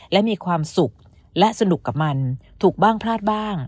และมีความสุขและสนุกกับมันถูกบ้างพลาดบ้าง